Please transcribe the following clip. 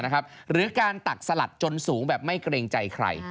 หรือการตักสลัดจนสูงแบบไม่เกรงใจใคร